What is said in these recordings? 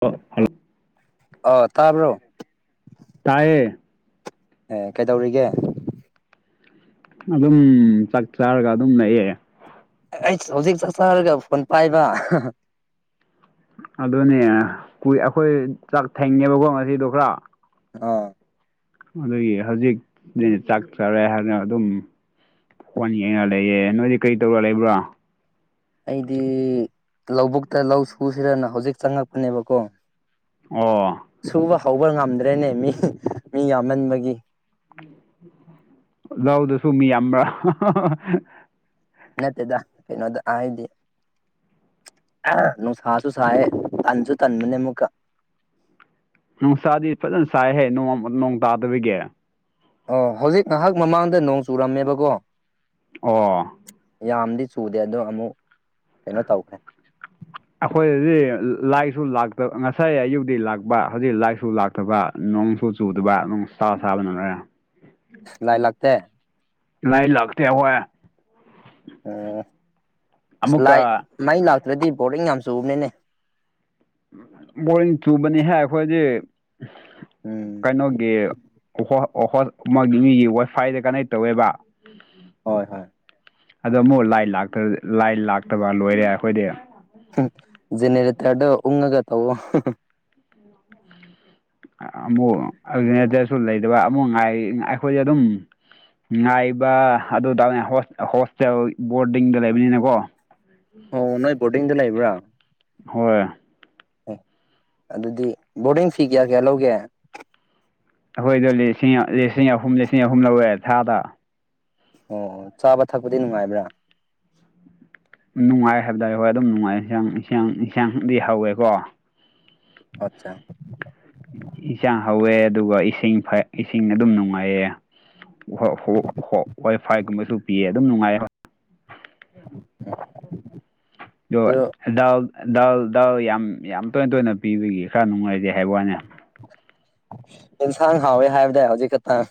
ꯍ ꯍꯂ‌ꯣ ꯑ ꯇꯥꯕ꯭ꯔꯣ ꯇꯌ‍ꯦ ꯑꯦ ꯀꯩꯗꯧꯔꯤꯒꯦ ꯑꯗꯨꯝ ꯆꯥꯛ ꯆꯥꯔꯒ ꯑꯗꯨꯝ ꯂꯩꯌ‍ꯦ ꯑ ꯍꯩꯁ ꯍꯧꯖꯤꯛ ꯆꯥꯛ ꯆꯔꯒ ꯐꯣꯟ ꯄꯥꯏꯕ ꯑꯗꯨꯅꯦ ꯀꯨꯏ ꯑꯩꯈꯣꯏ ꯆꯥꯛ ꯊꯦꯡꯉꯦꯕꯀꯣ ꯉꯁꯤꯗꯣ ꯈꯔ ꯑ ꯑꯗꯨꯒꯤ ꯍꯧꯖꯤꯛꯇꯤ ꯆꯥꯛ ꯆꯔꯦ ꯍꯥꯏꯅ ꯑꯗꯨꯝ ꯍꯣꯟ ꯌꯦꯡꯉ ꯂꯩꯌꯦ ꯅꯣꯏꯗꯤ ꯀꯔꯤ ꯇꯧꯔ ꯂꯩꯕ꯭ꯔꯣ ꯑꯩꯗꯤ ꯂꯧꯕꯨꯛꯇ ꯂꯧ ꯁꯨꯁꯤꯔꯅ ꯍꯧꯖꯤꯛ ꯆꯉꯛꯄꯅꯦꯕꯀꯣ ꯑꯣ ꯁꯨꯕ ꯍꯧꯕ ꯉꯝꯗ꯭ꯔꯦꯅꯦ ꯃꯤ ꯃꯤ ꯌꯥꯝꯃꯟꯕꯒꯤ ꯂꯧ ꯗꯨꯁꯨ ꯃꯤ ꯌꯥꯝꯕ꯭ꯔꯥ ꯅꯠꯇꯦꯗꯥ ꯀꯩꯅꯣꯗ ꯍꯥꯏꯗꯤ ꯅꯨꯡꯁꯥꯁꯨ ꯁꯥꯏꯌꯦ ꯇꯥꯟꯁꯨ ꯇꯥꯟꯕꯅꯦ ꯃꯨꯛꯀꯥ ꯅꯨꯡꯁꯥꯗꯤ ꯐꯖꯅ ꯁꯥꯏꯍꯦ ꯅꯣꯡ ꯅꯣꯡ ꯇꯥꯗꯕꯒꯤ ꯑꯣ ꯍꯧꯖꯤꯛ ꯉꯥꯏꯍꯥꯛ ꯃꯃꯥꯡꯗ ꯅꯣꯡ ꯆꯨꯔꯝꯃꯦꯕꯀꯣ ꯑꯣ ꯌꯥꯝꯗꯤ ꯆꯨꯗꯦ ꯑꯗꯣ ꯑꯃꯨꯛ ꯀꯩꯅꯣ ꯇꯧꯈ꯭ꯔꯦ ꯑꯩꯈꯣꯏꯗꯗꯤ ꯂꯥꯠꯁꯨ ꯂꯥꯛꯇꯕ ꯉꯁꯥꯏ ꯑꯌꯨꯛꯗꯤ ꯂꯥꯛꯄ ꯍꯧꯖꯤꯛ ꯂꯥꯠꯁꯨ ꯂꯥꯛꯇꯕ ꯅꯣꯡꯁꯨ ꯆꯨꯗꯕ ꯅꯨꯡ ꯁꯥ ꯁꯥꯕꯅ ꯂꫭꯏꯔꯦ ꯂꯥꯠ ꯂꯥꯛꯇꯦ ꯂꯥꯠ ꯂꯥꯛꯇ ꯍꯣꯏ ꯑꯣ ꯑꯁ ꯂꯥꯠ ꯑꯃꯨꯛꯀ ꯃꯩ ꯂꯥꯛꯇ꯭ꯔꯗꯤ ꯕꯣꯔꯤꯡ ꯌꯥꯝ ꯆꯨꯕꯅꯤꯅꯦ ꯕꯣꯔꯤꯡ ꯆꯨꯕꯅꯤꯍ ꯑꯩꯈꯣꯏꯗꯤ ꯎꯝ ꯀꯩꯅꯣꯒꯤ ꯑꯣ ꯍꯣꯏ ꯑꯃꯒꯤ ꯃꯤꯒꯤ ꯋꯥꯏꯐꯥꯏꯗ ꯀꯅꯦꯛ ꯇꯧꯋꯦꯕ ꯍꯣꯏ ꯍꯣꯏ ꯑꯗꯣ ꯑꯃꯨꯛ ꯂꯥꯠ ꯂꯥꯛꯇꯔꯗꯤ ꯂꯥꯠ ꯂꯥꯛꯇꯕ ꯂꯣꯏꯔꯦ ꯑꯩꯈꯣꯏꯗꯤ ꯍꯨꯝ ꯘꯤꯅꯦꯔꯦꯇꯔꯗꯣ ꯎꯝꯉꯒ ꯇꯧꯎꯋꯦ [unintelligible] ꯑꯃꯨꯛ ꯘꯤꯅꯦꯔꯦꯇꯔꯁꯨ ꯂꯩꯗꯕ ꯑꯃꯨꯛ ꯉꯥꯏ ꯑꯩꯈꯣꯏꯗꯤ ꯑꯗꯨꯝ ꯉꯥꯏꯕ ꯑꯗꯨ ꯇꯅꯦ ꯍꯣꯁꯇꯦꯜ ꯕꯣꯔꯗꯤꯡꯗ ꯂꯩꯕꯅꯤꯅꯀꯣ ꯑꯣ ꯅꯣꯏ ꯕꯣꯔꯗꯤꯡꯗ ꯂꯩꯕ꯭ꯔꯥ ꯍꯣꯏ ꯑꯦ ꯑꯗꯨꯗꯤ ꯕꯣꯔꯗꯤꯡ ꯐꯤ ꯀꯌꯥ ꯀꯌꯥ ꯂꯧꯒꯦ ꯑꯩꯈꯣꯏꯗꯥ ꯂꯤꯁꯤꯡ ꯂꯤꯁꯤꯡ ꯑꯍꯨꯝ ꯂꯤꯁꯤꯡ ꯑꯍꯨꯝ ꯂꯧꯋꯦ ꯊꯥꯗ ꯑꯣ ꯆꯥꯕ ꯊꯛꯄꯗꯤ ꯅꯨꯡꯉꯥꯏꯕ꯭ꯔꯥ ꯅꯨꯡꯉꯥꯏ ꯍꯥꯏꯕ ꯇꯥꯔꯦ ꯍꯣꯏ ꯑꯗꯨꯝ ꯅꯨꯡꯉꯥꯏ ꯏꯟꯁꯥꯡ ꯏꯟꯁꯥꯡ ꯏꯟꯁꯥꯡꯗꯤ ꯍꯧꯋꯦꯀꯣ ꯑꯆꯥ ꯏꯟꯁꯥꯡ ꯍꯧꯋꯦ ꯑꯗꯨꯒ ꯏꯁꯤꯡ ꯏꯁꯤꯡ ꯑꯗꯨꯝ ꯅꯨꯡꯉꯥꯏꯌꯦ ꯍꯣꯏ ꯍꯣꯏ ꯍꯣꯏ ꯍꯣꯏ ꯋꯥꯏ-ꯐꯥꯏꯒꯨꯝꯕꯁꯨ ꯄꯤꯌꯦ ꯑꯗꯨꯝ ꯅꯨꯡꯉꯥꯏ ꯍꯣꯏ [inaudible] ꯑꯗꯣ ꯑꯗꯨ ꯗꯥꯜ ꯗꯥꯜ ꯗꯥꯜ ꯌꯥꯝ ꯌꯥꯝ ꯇꯣꯏꯅ ꯇꯣꯏꯅ ꯄꯤꯕꯒꯤ ꯈꯔ ꯅꯨꯡꯉꯥꯏꯖꯦ ꯍꯥꯏꯕ ꯋꯥꯅꯦ ꯌꯦꯁꯥꯡ ꯍꯥꯎꯋꯦ ꯍꯥꯏꯕꯗꯥꯏ ꯍꯧꯖꯤꯛ ꯈꯛꯇꯪ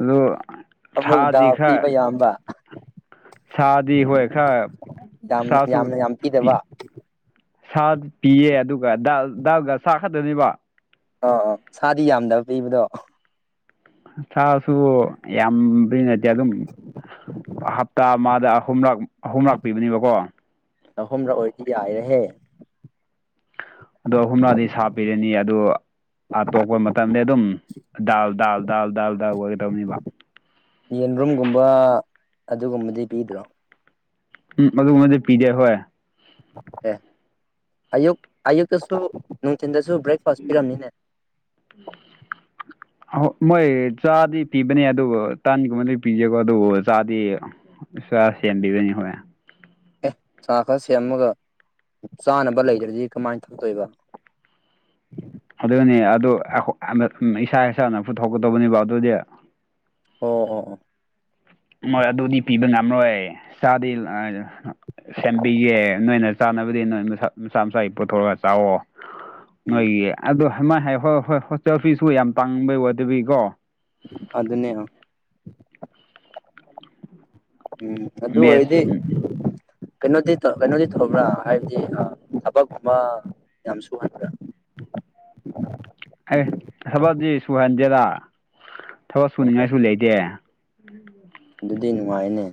ꯑꯗꯣ ꯑꯃꯨꯛ ꯁꯥꯗꯤ ꯗꯥꯜ ꯈꯔ ꯄꯤꯕ ꯌꯥꯝꯕ ꯁꯥꯗꯤ ꯍꯣꯏ ꯈꯔ ꯌꯥꯝ ꯁꯥ ꯁꯨ ꯌꯥꯝꯅ ꯌꯥꯝ ꯄꯤꯏ ꯄꯤꯗꯕ ꯁꯥ ꯄꯤꯌꯦ ꯑꯗꯨꯒ ꯗꯥꯜ ꯗꯥꯜꯒ ꯁꯥ ꯈꯛꯇꯅꯤꯕ ꯑꫭ ꯑꫭ ꯁꯥꯗꯤ ꯌꯥꯝꯗꯕ ꯄꯤꯕꯗꯣ ꯁꯥꯁꯨ ꯌꯥꯝꯕꯔꯤ ꯅꯠꯇꯦ ꯑꯗꯨꯝ ꯍꯞꯇꯥ ꯑꯃꯗ ꯑꯍꯨꯝꯂꯛ ꯑꯍꯨꯝꯔꯛ ꯄꯤꯕꯅꯦꯕꯀꯣ ꯑꯍꯨꯝꯔꯛ ꯑꯣꯏꯗꯤ ꯌꯥꯏꯔꯍꯦ ꯑꯗꯣ ꯑꯍꯨꯝꯔꯛꯗꯤ ꯁꯥ ꯄꯤꯔꯅꯤ ꯑꯗꯣ ꯑꯇꯣꯛꯄ ꯃꯇꯝꯗꯤ ꯑꯗꯨꯝ ꯗꯥꯜ ꯗꯥꯜ ꯗꯥꯜ ꯗꯥꯜ ꯗꯥꯜ ꯑꯣꯏꯒꯗꯧꯅꯤꯕ ꯌꯦꯟꯕ꯭ꯔꯨꯝꯒꯨꯝꯕ ꯑꯗꯨꯒꯨꯝꯕꯗꯤ ꯄꯤꯗ꯭ꯔꯣ ꯎꯝ ꯑꯗꯨꯒꯨꯝꯕꯗꯤ ꯄꯤꯗꯦ ꯍꯣꯏ ꯑꯦ ꯑꯌꯨꯛ ꯑꯌꯨꯛꯇꯁꯨ ꯅꯨꯡꯊꯤꯟꯗꯁꯨ ꯕ꯭ꯔꯦꯛꯐꯥꯁ ꯄꯤꯔꯝꯅꯤꯅꯦ [inaudible] ꯑꯣꯏ ꯃꯣꯏ ꯆꯥꯗꯤ ꯄꯤꯕꯅꯦ ꯑꯗꯨꯕꯨ ꯇꯥꯟꯒꯨꯝꯕꯗꯤ ꯄꯤꯗꯦꯕ ꯑꯗꯨ ꯆꯥꯗꯤ ꯥ ꯆꯥ ꯁꯦꯝꯕꯤꯕꯅꯤ ꯍꯣꯏ ꯑꯦ ꯆꯥ ꯈꯔ ꯁꯦꯝꯃꯒ ꯆꯥꯅꯕ ꯂꯩꯗ꯭ꯔꯗꯤ ꯀꯃꯥꯏ ꯊꯥꯛꯇꯨꯏꯕ ꯑꯗꯨꯅꯤ ꯑꯗꯨ ꯏꯁꯥ ꯏꯁꯥꯅ ꯄꯨꯊꯣꯛꯀꯗꯧꯕꯅꯦꯕ ꯑꯗꯨꯗꯤ ꯑꯣ ꯑꯣ ꯑꯣ ꯃꯣꯏ ꯑꯗꯨꯗꯤ ꯄꯤꯕ ꯉꯝꯔꯣꯏ ꯆꯥꯗꯤ ꯁꯦꯝꯕꯤꯒꯦ ꯅꯣꯏꯅ ꯆꯥꯅꯕꯗꯤ ꯅꯣꯏ ꯃꯆꯥ ꯃꯆꯥꯒꯤ ꯄꯨꯊꯣꯛꯒ ꯆꯥꯋꯣ ꯎꯝ ꯅꯣꯏꯒꯤ ꯑꯗꯥꯏ ꯍꯣꯏ ꯍꯣꯏ ꯍꯣꯁꯇꯦꯜ ꯐꯤꯁꯕꯨ ꯌꯥꯝ ꯇꯥꯡꯕꯩ ꯋꯥꯗꯕꯤꯀꯣ ꯑꯗꯨ ꯑꯗꯨꯅ ꯎꯝ ꯑꯗꯨꯗ ꯑꯣꯢꯗꯤ ꯃꯦꯠꯁ ꯀꯩꯅꯣꯗꯤ ꯀꯩꯅꯣꯗꯤ ꯇꯧꯕ꯭ꯔꯥ ꯍꯥꯏꯕꯗꯤ ꯊꯕꯛꯀꯨꯝꯕ ꯌꯥꯝ ꯁꯨꯍꯟꯕ꯭ꯔꯥ ꯑꯦ ꯊꯕꯛꯗꯤ ꯁꯨꯍꯟꯗꯦꯔ ꯊꯕꯛ ꯑꯣ ꯁꯨꯅꯤꯡꯉꯥꯏꯁꯨ ꯂꯩꯇꯦ꯫ ꯑꯗꯨꯗꯤ ꯅꯨꯡꯉꯥꯏꯅꯦ꯫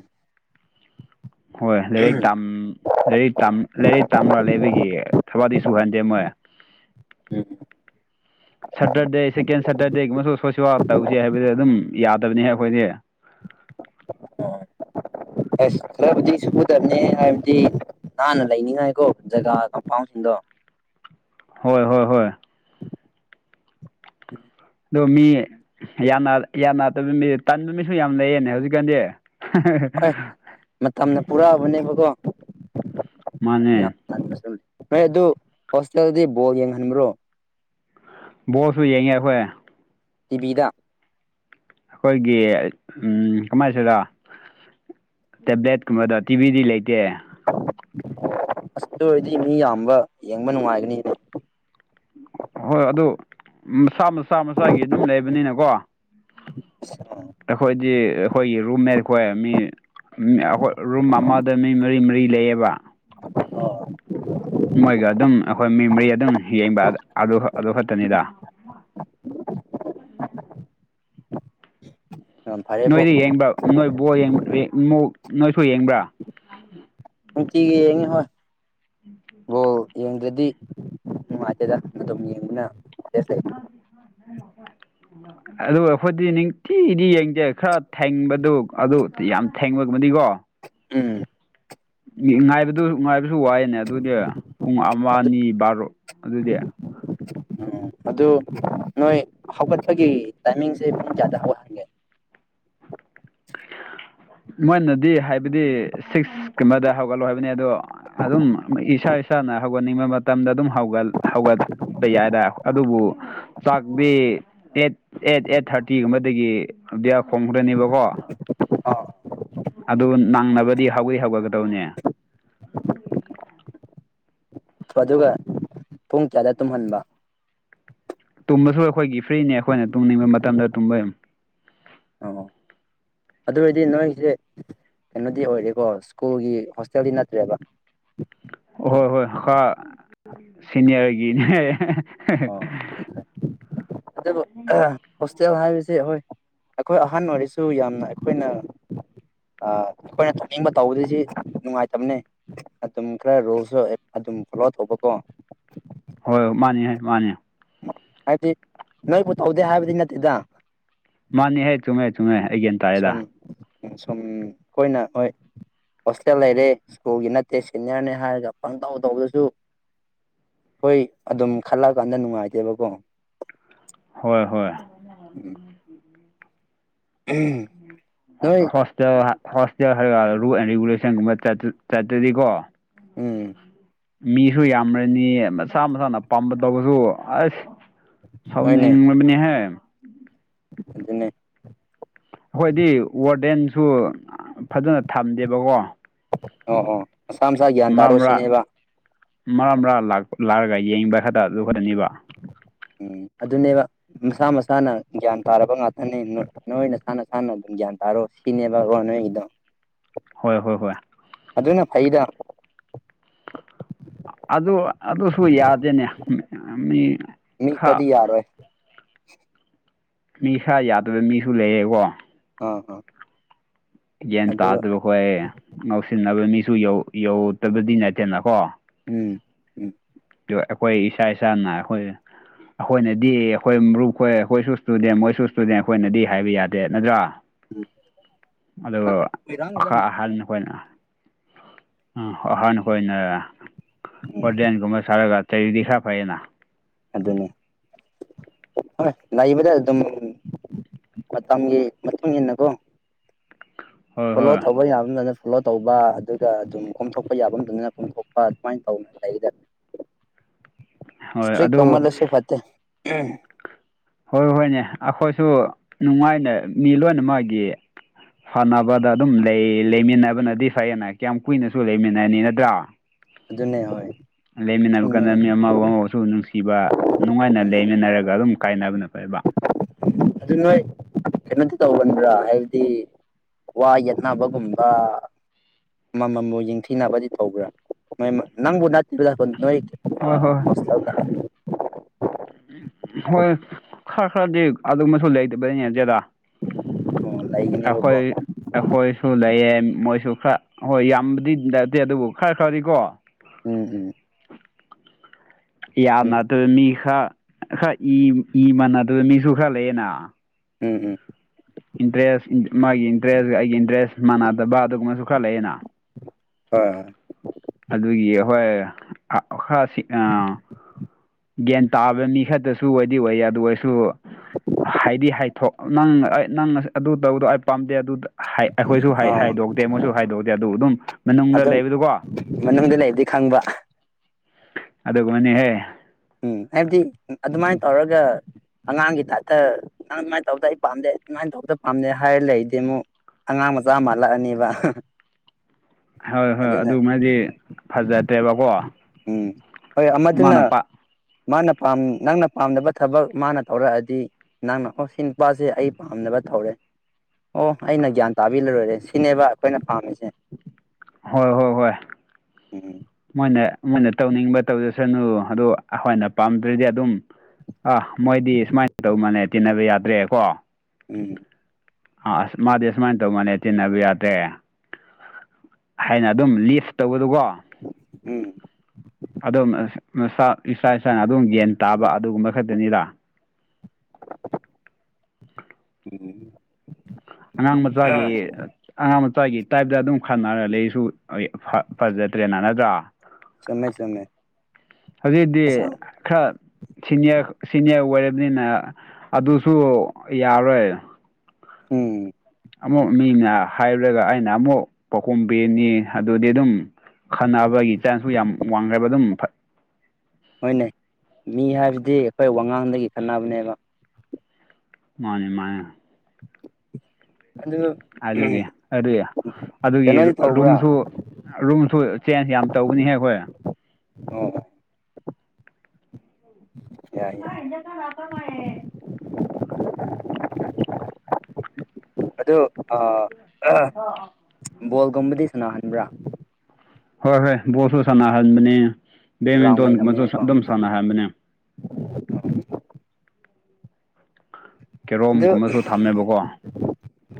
ꯍꯣꯏ ꯂꯥꯏꯔꯤꯛ ꯂꯥꯏꯔꯤ ꯂꯥꯏꯔꯤꯛ ꯇꯥꯝꯕꯥ ꯂꯩꯕꯒꯤ ꯊꯕꯗꯤ ꯁꯨꯍꯟꯗꯦ ꯃꯣꯏ ꯎꯝ ꯁꯇꯔꯗꯦ ꯁꯦꯀꯦꯟ ꯁꯇꯔꯗꯦꯒꯨꯝꯕꯁꯨ ꯁꯣꯁꯤꯦꯜ ꯇꯧꯁꯤ ꯍꯥꯏꯕꯗꯤ ꯑꯗꯨꯝ ꯌꯥꯗꯕꯅꯤꯍ ꯑꯩꯈꯣꯏꯗꯤ [inaudible] ꯁꯕꯗꯤ ꯁꯨꯗꯅꯤ ꯍꯥꯏꯕꯗꯤ ꯍꯥꯟꯅ ꯂꯩꯅꯤꯉꯥꯏꯀꯣ ꯖꯒꯥ ꯀꯝꯐꯥꯎꯁꯤꯡꯗꯣ ꯍꯣꯏ ꯍꯣꯏ ꯍꯣꯏ [inaudible] ꯑꯗꯣ ꯃꯤ ꯌꯥꯟꯅꯗꯕ ꯃꯤ ꯇꯟꯕ ꯃꯤꯁꯨ ꯌꯥꯝ ꯂꯩꯌꯦꯅꯦ ꯍꯧꯖꯤꯛꯀꯥꯟꯗꯤ ꯍꯣꯏ [unintelligible] ꯃꯇꯝꯅ ꯄꯨꯔꯛꯑꯕꯅꯦꯕꯀꯣ ꯃꯥꯅꯦ꯫ ꯌꯥꯝ ꯅꯣꯏ ꯑꯗꯨ ꯍꯣꯁꯇꯦꯜꯗꯗꯤ ꯕꯣꯔ ꯌꯦꯡꯍꯟꯕ꯭ꯔꯣ? ꯕꯣꯁꯁꯨ ꯌꯦꯡꯉꯦ ꯑꯩꯈꯣꯏ ꯇꯤꯚꯤꯗ ꯑꯩꯈꯣꯏꯒꯤ ꯀꯃꯥꯏꯁꯤꯗ ꯇꯦꯕ꯭ꯂꯦꯠꯀꯨꯝꯕꯗ ꯇꯤꯚꯤꯗꯤ ꯂꯩꯇꯦ꯫ ꯑꯁ ꯑꯣꯏꯔꯗꯤ ꯃꯤ ꯌꯥꯝꯕ ꯌꯦꯡꯕ ꯅꯨꯡꯉꯥꯏꯒꯅꯤ꯫ ꯍꯣꯏ ꯑꯗꯨ ꯃꯁꯥ ꯃꯆꯥ ꯃꯆꯥꯒꯤ ꯑꯗꯨꯝ ꯂꯩꯕꯅꯤꯅꯀꯣ ꯑꯩꯈꯣꯏꯗꯤ ꯑꯩꯈꯣꯏꯒꯤ ꯔꯨꯝ ꯃꯠꯈꯣꯏ ꯃꯤ ꯑꯩꯈꯣꯏ ꯔꯨꯝ ꯑꯃꯗ ꯃꯤ ꯃꯔꯤ ꯃꯔꯤ ꯂꯩꯌꯦꯕ꯫ [inaudible] ꯃꯣꯏꯒ ꯑꯗꯨꯝ ꯑꯩꯈꯣꯏ ꯃꯦꯃꯣꯔꯤ ꯑꯗꯨꯝ ꯌꯦꯡꯕ ꯑꯗꯨ ꯑꯗꯨ ꯈꯛꯇꯅꯤꯗ ꯌꯥꯝ ꯐꯔꯦꯕꯣ ꯅꯣꯏꯗ ꯌꯦꯡꯕ꯭ꯔꯥ ꯅꯣꯏ ꯕ ꯅꯣꯏꯁꯨ ꯌꯦꯡꯕ꯭ꯔꯥ ꯅꯨꯡꯇꯤꯒꯤ ꯌꯦꯡꯉꯤ ꯍꯣꯏ ꯕꯣꯜ ꯌꯦꯡꯗ꯭ꯔꯗꯤ ꯅꯨꯡꯉꯥꯏꯇꯦꯗ ꯑꯗꯨ ꯑꯗꯨꯝ ꯌꯦꯡꯅ [inaudible] ꯑꯗꯨ ꯑꯩꯈꯣꯏꯗꯤ ꯅꯤꯡꯊꯤꯗꯤ ꯌꯦꯡꯖꯩ ꯈꯔ ꯊꯦꯡꯕꯗꯨ ꯑꯗꯨ ꯌꯥꯝ ꯊꯦꯡꯕꯒꯃꯅꯤꯀꯣ ꯎꯝ ꯉꯥꯏꯕꯗꯨꯁꯨ ꯉꯥꯏꯕꯁꯨ ꯋꯥꯏꯦꯅꯦ ꯑꯗꯨꯗꯤ ꯄꯨꯡ ꯑꯃ ꯑꯅꯤ ꯕꯥꯔꯣ ꯑꯗꯨꯗꯤ ꯎꯝ ꯑꯗꯨ ꯅꯣꯏ ꯍꯧꯒꯠꯄꯒꯤ ꯇꯥꯏꯃꯤꯡꯁꯦ ꯃꯨꯡ ꯀꯌꯥꯗ ꯍꯧ ꯃꯣꯏꯅꯗꯤ ꯍꯥꯏꯕꯗꯤ ꯁꯤꯛꯁꯀꯨꯝꯕꯗ ꯍꯧꯒꯠꯂꯨ ꯍꯥꯏꯕꯅꯤ ꯑꯗꯣ ꯑꯗꯨꯝ ꯏꯁꯥ ꯏꯁꯥꯅ ꯍꯧꯒꯠꯅꯤꯡꯕ ꯃꯇꯝꯗ ꯑꯗꯨꯝ ꯍꯧꯒ ꯍꯧꯒꯠ ꯗ ꯌꯥꯏꯗ ꯑꯗꯨꯕꯨ ꯆꯥꯛꯇꯤ ꯑꯦꯠ ꯑꯦꯠ ꯑꯦꯠ ꯊꯥꯔꯇꯤꯒꯨꯝꯕꯗꯒꯤ ꯑꯗꯤꯌꯥ ꯈꯣꯡꯈ꯭ꯔꯅꯦꯕꯀꯣ ꯑꯥ ꯑꯗꯨ ꯅꯪꯅꯕꯗꯤ ꯍꯧꯋꯤ ꯍꯧꯒꯠꯒꯗꯧꯅꯦ ꯑꯗꯨꯒ ꯄꯨꯡ ꯀꯌꯥꯗ ꯇꯨꯝꯍꯟꯕ ꯇꯨꯝꯕꯁꯨ ꯑꯩꯈꯣꯏꯒꯤ ꯐ꯭ꯔꯤꯅꯦ ꯑꯩꯈꯣꯏꯅ ꯇꯨꯝꯅꯤꯡꯕ ꯃꯇꯝꯗ ꯇꯨꯝꯕ ꯑꯣ ꯑꯗꯨ ꯑꯣꯏꯔꯗꯤ ꯅꯣꯏꯁꯦ꯫ ꯀꯩꯅꯣꯗꯤ ꯑꯣꯏꯔꯦꯀꯣ ꯁ꯭ꯀꯨꯜꯒꯤ ꯍꯣꯁꯇꯦꯜꯗꯤ ꯅꯠꯇ꯭ꯔꯦꯕ ꯑꯍꯣꯏ ꯍꯣꯏ ꯈꯔ ꯁꯤꯅꯤꯌꯥꯔꯒꯤꯅꯦ ꯎ ꯑ ꯍꯣꯁꯇꯦꯜ ꯍꯥꯏꯕꯕꯁꯤꯦ ꯍꯣꯏ ꯑꯩꯈꯣꯏ ꯑꯍꯟ ꯑꯣꯏꯔꯤꯁꯨ ꯌꯥꯝꯅ ꯑꯩꯈꯣꯏꯅ ꯑꯩꯈꯣꯏꯅ ꯇꯧꯅꯤꯡꯕ ꯇꯧꯕꯗꯤ ꯅꯨꯡꯉꯥꯏꯇꯕꯅꯦ ꯑꯗꯨꯝ ꯈꯔ ꯔꯨꯜꯁꯨ ꯑꯗꯨꯝ ꯐꯣꯂꯣ ꯇꯧꯕꯀꯣ ꯍꯣꯏ ꯍꯣꯏ ꯃꯥꯅꯤ ꯃꯥꯅꯤ ꯍꯥꯏꯕꯗꯤ ꯅꯣꯏꯕꯨ ꯇꯧꯗꯦ ꯍꯥꯏꯕꯗꯤ ꯅꯠꯇꯦꯗ ꯃꯥꯅꯦꯍ ꯆꯨꯝꯃꯦꯦ ꯆꯨꯝꯃꯦ ꯑꯩꯒꯦꯟ ꯁꯨꯝ ꯎ ꯁꯨꯝ ꯑꯩꯈꯣꯏꯅ ꯍꯣꯏ ꯍꯣꯁꯇꯦꯜ ꯂꯩꯔꯦ ꯁ꯭ꯀꯨꯜꯒꯤ ꯅꯠꯇꯦ ꯁꯦꯅꯤꯌꯔꯅꯦ ꯍꯥꯏꯔꯒ ꯄꯪ ꯇꯧ ꯇꯧꯗꯁꯨ ꯍꯣꯏ ꯑꯗꯨꯝ ꯈꯜꯂꯛꯑꯀꯥꯟꯗ ꯅꯨꯡꯉꯥꯏꯇꯦꯕꯀꯣ ꯍꯣꯏ ꯍꯣꯏ ꯎꯝ ꯅꯣꯏ ꯍꯣꯁꯇꯦꯜ ꯍꯣꯁꯇꯦꯜ ꯍꯥꯏ ꯔꯨꯜ ꯑꯦꯟ ꯔꯤꯒꯨꯂꯦꯁꯟꯒꯨꯝꯕ ꯆꯠꯇꯔꯗꯤꯀꯣ ꯎꯝ ꯃꯤꯁꯨ ꯌꯥꯝꯝꯔꯅꯤ ꯃꯁꯥ ꯃꯁꯥꯅ ꯄꯥꯝꯕ ꯇꯧꯕꯁꯨ ꯑꯁ ꯍꯣꯏꯅꯦ ꯁꯥꯎꯕꯍꯦ ꯑꯗꯨꯅꯦ ꯑꯩꯈꯣꯏꯗꯤ ꯋꯥꯔꯗꯦꯟꯁꯨ ꯐꯖꯅ ꯊꯝꯗꯦꯕꯀꯣ ꯑꯣ ꯑꯣ ꯃꯁꯥ ꯃꯁꯥ ꯒ꯭ꯌꯥꯟ ꯇꯥꯔꯣ ꯁꯤꯅꯦꯕ ꯃꯔꯥ ꯃꯔꯥꯥꯛ ꯂꯥꯛꯑꯒ ꯌꯦꯡꯕ ꯈꯛꯇ ꯑꯗꯨ ꯈꯔꯅꯤꯕ ꯎꯝ ꯑꯗꯨꯅꯦꯕ ꯃꯁꯥ ꯃꯁꯥꯅ ꯒ꯭ꯌꯥꯟ ꯇꯥꯔꯕ ꯉꯥꯛꯇꯅꯤ ꯅꯣꯏ ꯅꯁꯥ ꯅꯁꯥꯅ ꯑꯗꯨꯝ ꯒ꯭ꯌꯥꯟ ꯇꯥꯔꯣ [unintelligible] ꯍꯣꯏ ꯍꯣꯏ ꯍꯣꯏ ꯑꯗꯨꯅ ꯐꯩꯗ ꯑꯗꯨ ꯑꯗꯨꯁꯨ ꯌꯥꯗꯦꯅꯦ ꯃꯤ ꯃꯤ ꯈꯔ ꯀꯔꯤ ꯌꯥꯔ ꯑꯣꯏꯣꯏ ꯅꯤꯁꯥ ꯌꯥꯗꯕ ꯃꯤꯁꯨ ꯂꯩꯌꯦꯀꯣ ꯑ ꯍ ꯌꯦꯟ ꯇꯥꯗꯕꯈꯣꯏ ꯉꯧꯁꯤꯟꯅꯕ ꯃꯤꯁꯨ ꯌꯧꯗꯕꯗꯤ ꯅꯠꯇꯦꯅꯀꯣ ꯎꯝ ꯎꯝ ꯑꯩꯈꯣꯏ ꯏꯁꯥ ꯏꯁꯥꯅ ꯑꯩꯈꯣꯏ ꯑꯩꯈꯣꯏꯅꯗꯤ ꯑꯩꯈꯣꯏ ꯃꯔꯨꯞꯈꯣꯏ ꯑꯩꯈꯣꯏꯁꯨ ꯏꯁꯇꯨꯗꯦꯟ ꯃꯣꯏꯁꯨ ꯏꯁꯇꯨꯗꯦꯟ ꯑꯩꯈꯣꯏꯅꯗꯤ ꯍꯥꯏꯕ ꯌꯥꯗꯦ ꯅꯠꯇ꯭ꯔꯥ ꯑꯗꯨꯒ ꯑꯈꯥ ꯑꯍꯜ ꯅ ꯑꯩꯈꯣꯏꯅ ꯎ ꯑꯍꯥꯟꯕ ꯍꯈꯣꯏꯅ ꯎꯝ ꯍꯣꯔꯗꯦꯟꯒꯨꯝꯕ ꯁꯥꯔꯒ ꯆꯗꯤ ꯈꯔ ꯐꯩꯌꯦꯅ ꯑꯗꯨꯅꯤ ꯍꯣꯏ ꯂꯩꯕꯗ ꯑꯗꯨꯝ ꯃꯇꯝꯒꯤ ꯃꯇꯨꯡ ꯏꯟꯅꯀꯣ ꯍꯣꯏ [unintelligible] ꯍꯣꯏ ꯇꯧꯕ ꯌꯥꯐꯝꯗꯅ ꯐꯣꯂꯣ ꯇꯧꯕ ꯑꯗꯨꯒ ꯑꯗꯨꯝ ꯀꯣꯝꯊꯣꯛꯄ ꯌꯥꯐꯝꯗꯗꯅ ꯀꯣꯝꯊꯣꯛꯄ ꯑꯗꯨꯃꯥꯏꯅ ꯇꯧꯅ ꯑꯗ [inaudible] ꯍꯣꯏ ꯁꯇ꯭ꯔꯤ ꯑꯗꯨ ꯀꯃꯜꯁꯨ ꯐꯠꯇꯦ ꯍꯣꯏ ꯍꯣꯏꯅꯦ ꯑꯩꯈꯣꯏꯁꯨ ꯅꯨꯡꯉꯥꯏꯅ ꯃꯤ ꯂꯣꯏꯅꯃꯒꯤ ꯐꯅꯕꯗ ꯑꯗꯨꯝ ꯂꯩꯃꯤꯟꯅꯕꯅꯗꯤ ꯐꯩꯌꯦꯅ ꯀꯌꯥꯝ ꯀꯨꯏꯅꯁꯨ ꯂꯩꯃꯤꯟꯅꯅꯤ ꯅꯠꯇ꯭ꯔꯥ ꯑꯗꯨꯅꯦ ꯍꯣꯏ ꯂꯩꯃꯤꯟꯅꯕ ꯀꯥꯟꯗ ꯆꯨꯝꯃꯤꯅꯦ ꯃꯤ ꯑꯃꯥꯕ ꯑꯃꯥꯕꯨꯁꯨ ꯅꯨꯡꯁꯤꯕ ꯅꯨꯡꯉꯥꯏꯅ ꯎꯝ ꯂꯩꯃꯤꯟꯅꯔꯒ ꯑꯗꯨꯝ ꯀꯥꯏꯅꯕꯅ ꯐꯩꯕ ꯑꯗꯨ ꯅꯣꯏ ꯀꯩꯅꯣꯗꯤ ꯇꯧꯒꯟꯕ꯭ꯔꯥ ꯍꯥꯏꯕꯗꯤ ꯋꯥ ꯌꯠꯅꯥꯕꯒꯨꯝꯕ ꯑꯃꯃꯝꯕꯨ ꯌꯦꯡꯊꯤꯅꯕꯗꯤ ꯇꯧꯕ꯭ꯔꯥ ꯅꯪꯕꯨ ꯅꯠꯇꯕꯗ ꯍꯣꯏ ꯍꯣꯏ ꯅ [unintelligible] ꯍꯣꯏ ꯈꯔ ꯈꯔꯗꯤ ꯑꯗꯨꯝꯕꯁꯨ ꯂꯩꯇꯕ ꯅꯠꯇꯦꯗ ꯑꯣ ꯂꯩꯒꯅꯦꯕꯀꯣ ꯑꯩꯈꯣꯏ ꯑꯩꯈꯣꯏꯁꯨ ꯂꯩꯌꯦ ꯃꯣꯏꯁꯨ ꯈꯔ ꯍꯣꯏ ꯌꯥꯝꯕꯗꯤ ꯅꯠꯇꯦ ꯑꯗꯨꯕꯨ ꯈꯔ ꯈꯔꯗꯤꯀꯣ ꯎꯝ ꯎꯝ ꯎꯝ ꯎꯝ ꯌꯥꯝꯅꯗꯕ ꯃꯤ ꯈꯔ ꯈꯔ ꯏ ꯏ ꯃꯥꯟꯅꯗꯕ ꯃꯤꯁꯨ ꯈꯔ ꯂꯩꯌꯦꯅ ꯎꯝ ꯎꯝ ꯏꯟꯇꯔꯦꯁ ꯃꯥꯒꯤ ꯏꯟꯇꯔꯦꯁ ꯑꯩꯒꯤ ꯏꯟꯇꯔꯦꯁ ꯃꯥꯟꯅꯗꯕ ꯑꯗꯨꯒꯨꯝꯕꯁꯨ ꯈꯔ ꯂꯩꯌꯦꯅꯥ ꯍꯣꯏ ꯍꯣꯏ ꯑꯗꯨꯒꯤ ꯍꯣꯏ ꯒ꯭ꯌꯥꯟ ꯇꯥꯕ ꯃꯤ ꯈꯛꯇꯁꯨ ꯑꯣꯏꯗꯤ ꯑꯣꯏ ꯑꯗꯨ ꯑꯣꯏꯁꯨ ꯍꯥꯏꯗꯤ ꯍꯥꯏꯊꯣꯛ ꯅꯪ ꯑꯩ ꯅꯪ ꯑꯗꯨ ꯇꯧꯕꯗꯣ ꯑꯩ ꯄꯥꯝꯗꯦ ꯑꯗꯨꯗ ꯑꯩꯈꯣꯏꯁꯨ ꯑꯥ ꯍꯥꯏꯗꯣꯛꯇꯦ ꯃꯣꯏꯁꯨ ꯍꯥꯏꯗꯣꯛꯇꯦ ꯑꯗꯨ ꯑꯗꯨꯝ ꯃꯅꯨꯡꯗ ꯑꯗꯨꯝ ꯂꯩꯕꯗꯨꯀꯣ ꯃꯅꯨꯡꯗ ꯂꯩꯕꯗꯤ ꯈꯪꯕ ꯑꯗ ꯃꯅꯤꯍꯦ ꯎꯝ ꯍꯥꯏꯕꯗꯤ ꯑꯗꯨꯃꯥꯏꯅ ꯇꯧꯔꯒ ꯑꯉꯥꯡꯒꯤ ꯇꯥꯏꯞꯇ ꯅꯪ ꯑꯗꯨꯃꯥꯏꯅ ꯇꯧꯗ ꯑꯩ ꯄꯥꯝꯗꯦ ꯑꯗꯨꯃꯥꯏꯅ ꯇꯧꯕꯗ ꯄꯥꯝꯗꯦ ꯍꯥꯏꯔ ꯂꯩꯗꯤꯦ ꯑꯃꯨꯛ ꯑꯉꯥꯡ ꯃꯆꯥ ꯃꯥꯜꯂꯛꯑꯅꯤꯕ ꯍꯣꯏ ꯍꯣꯏ ꯑꯗꯨꯃꯗꯤ ꯐꯖꯗ꯭ꯔꯦꯕꯀꯣ ꯎꯝ ꯍꯣꯏ ꯑꯃꯗꯨꯅ ꯃꯥꯅ ꯄꯥ ꯃꯥꯅ ꯅꯪꯅ ꯄꯥꯝꯅꯕ ꯊꯕꯛ ꯃꯥꯅ ꯇꯧꯔꯛꯑꯗꯤ ꯅꯪ ꯅ ꯑꯣ ꯁꯤ ꯅꯨꯄꯥꯁꯦ ꯑꯩ ꯄꯥꯝꯅꯕ ꯊꯧꯔꯦ ꯑꯣ ꯑꯩꯅ ꯒ꯭ꯌꯥꯟ ꯇꯥꯕꯤꯔꯔꯣꯏꯔꯦ ꯁꯤꯅꯦꯕ ꯑꯩꯈꯣꯏꯅ ꯄꯥꯝꯃꯤꯁꯦ ꯍꯣꯏ ꯍꯣꯏ ꯍꯣꯏ ꯎꯝ ꯃꯣꯏꯅ ꯃꯣꯏꯅ ꯇꯧꯅꯤꯡꯕ ꯇꯧꯖꯁꯅꯨ ꯑ ꯑꯩꯈꯣꯏꯅ ꯄꯥꯝꯗ꯭ꯔꯗꯤ ꯑꯗꯨꯝ ꯑꯥ ꯃꯣꯏꯗꯤ ꯁꯨꯃꯥꯏꯅ ꯇꯧꯕ ꯃꯅꯦ ꯇꯤꯟꯅꯕ ꯌꯥꯗ꯭ꯔꯦ ꯀꯣ ꯎꯝ ꯑꯥ ꯑꯁ ꯃꯥꯗꯤ ꯑꯁꯨꯃꯥꯏꯅ ꯇꯧꯃꯜꯅꯦ ꯇꯤꯟꯅꯕ ꯌꯥꯗ꯭ꯔꯦ ꯍꯥꯏꯅ ꯑꯗꯨꯝ ꯂꯤꯁ ꯇꯧꯕꯗꯨꯀꯣ ꯎꯝ ꯑꯗꯨꯝ ꯏꯁꯥ ꯏꯁꯥꯅ ꯑꯗꯨꯝ ꯌꯦꯟ ꯇꯥꯕ ꯑꯗꯨꯒꯨꯝꯕ ꯈꯛꯇꯅꯤꯗ ꯎꯝ ꯑꯉꯥꯡ ꯃꯆꯥꯒꯤ ꯑꯉꯥꯡ ꯃꯆꯥꯥꯏꯒꯤ ꯇꯥꯏꯞꯇ ꯑꯗꯨꯝ ꯈꯟꯅꯔ ꯂꯩꯁꯨ ꯐꯖꯗ꯭ꯔꯦꯅ ꯅꯠꯇ꯭ꯔꯥ ꯆꯨꯝꯃꯦ ꯆꯨꯝꯃꯦ ꯑꯗꯨꯗꯗꯤ ꯑꯁ ꯈꯔꯅꯤꯌꯔ ꯁꯤꯅꯤꯌꯔ ꯑꯣꯏꯔꯕꯅꯤꯅ ꯑꯗꯨꯁꯨ ꯌꯥꯔꯣꯏ ꯍꯝ ꯑꯃꯨꯛ ꯃꯤꯅ ꯍꯥꯏꯔꯨꯔꯒ ꯑꯩꯅ ꯑꯃꯨꯛ ꯄꯥꯎꯈꯨꯝ ꯄꯦꯅꯤ ꯑꯗꯨꯗꯤ ꯑꯗꯨꯝ ꯈꯟꯅꯅꯕꯒꯤ ꯆꯥꯟꯁꯁꯨ ꯌꯥꯝ ꯋꯥꯡꯈ꯭ꯔꯦꯕ ꯑꯗꯨꯝ ꯍꯣꯏꯅꯦ ꯃꯤ ꯍꯥꯏꯕꯗꯤ ꯑꯩꯈꯣꯏ ꯋꯥꯉꯥꯡꯗꯒꯤ ꯈꯠꯅꯕꯅꯦꯕ ꯃꯥꯅꯦ ꯃꯥꯅꯦ ꯑꯗꯨꯗ ꯑꯗꯨꯗꯤ ꯑꯗꯨꯗꯤ ꯑꯗꯨꯒꯤ ꯀꯩꯅꯣꯗꯤ ꯇꯧꯕ꯭ꯔꯥ ꯔꯨꯝꯁꯨ ꯔꯨꯝꯁꯨ ꯆꯦꯟꯖ ꯌꯥꯝ ꯇꯧꯕꯅꯤꯍꯦ ꯑꯩꯈꯣꯏ ꯑꯣ ꯍ ꯏꯖ ꯂꯥꯛ ꯃꯑꯦ ꯑꯗꯨꯗ ꯕꯣꯜꯒꯨꯝꯕꯗꯤ ꯁꯥꯟꯅꯍꯟꯕ꯭ꯔꯥ ꯍꯣꯏ ꯍꯣꯏ ꯕꯣꯜꯁꯨ ꯁꯥꯟꯅꯍꯟꯕꯅꯦ ꯒ꯭ꯔꯥꯎꯟ ꯕꯦꯗꯃꯤꯟꯇꯣꯟꯒꯨꯝꯕꯁꯨ ꯂꯩꯔꯕꯅꯤꯅꯀꯣ ꯑꯗꯨꯝ ꯁꯥꯟꯅꯍꯟꯕꯅꯦ ꯑꯗꯨ ꯀꯦꯔꯣꯝꯒꯨꯝꯕꯁꯨ ꯊꯝꯃꯦꯕꯀꯣ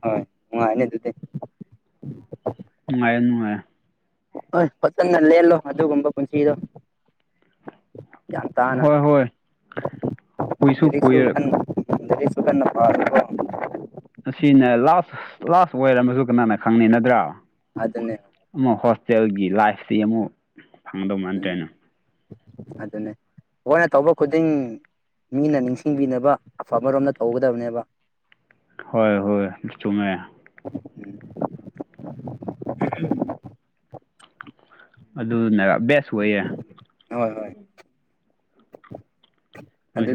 ꯍꯣꯏ ꯅꯨꯉꯥꯏꯅꯤ ꯑꯗꯨꯗ ꯅꯨꯉꯥꯏꯌ‌ꯦ ꯅꯨꯡꯥꯏꯌ‌ꯦ ꯍꯣꯏ ꯐꯖꯅ ꯂꯦꯜꯂꯣ ꯑꯗꯨꯒꯨꯝꯕ ꯄꯨꯟꯁꯤꯗꯣ ꯒꯤꯌꯥꯟ ꯇꯥꯅ ꯍꯣꯏ ꯍꯣꯏ ꯀꯨꯏꯁꯨ ꯂꯥꯏꯔꯤꯛꯛꯁꯨ ꯀꯨꯏꯔ ꯀꯟꯅ ꯗꯔꯤ [unintelligible] ꯁꯕꯦꯟ ꯅꯄꯥ ꯅꯀꯣ ꯑꯁꯤꯅ ꯂꯥꯁ ꯂꯥꯁ ꯑꯣꯏꯔꯝ ꯑꯃꯁꯨ ꯀꯅꯥꯅ ꯈꯪꯅꯤ ꯅꯠꯇ꯭ꯔꯥ ꯑꯗꯨꯟꯅꯦ ꯑꯃꯨꯛ ꯍꯣꯁꯇꯦꯜꯒꯤ ꯂꯥꯏꯐꯁꯤ ꯑꯃꯨꯛ ꯐꯪꯗꯧ ꯃꯗ꯭ꯔꯦꯅ ꯑꯗꯨꯅꯦ ꯍꯅꯦ [unintelligible] ꯇꯧꯕ ꯈꯨꯗꯤꯡ ꯃꯤꯅ ꯅꯤꯡꯁꯤꯡꯕꯤꯅꯕ ꯑꯐꯕꯔꯣꯝꯗ ꯇꯧꯒꯗꯕꯅꯦꯕ ꯍꯣꯏ ꯍꯣꯏ ꯆꯨꯝꯃ‌ꯦ ꯎꯝ ꯑꯗꯨꯅ ꯕꯦꯁ ꯑꯣꯏꯌꯦ ꯍꯣꯏ ꯍꯣꯏ ꯅꯣꯏꯁꯨ ꯑꯗꯨ